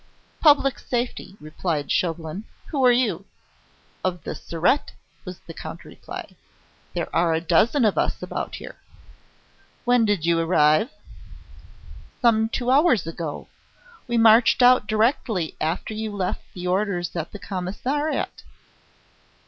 "Public Safety," replied Chauvelin. "Who are you?" "Of the Surete," was the counter reply. "There are a dozen of us about here." "When did you arrive?" "Some two hours ago. We marched out directly after you left the orders at the Commissariat."